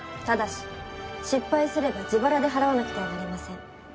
ただし失敗すれば自腹で払わなくてはなりません。